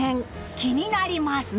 気になります！